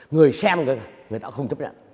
người xem người ta không chấp nhận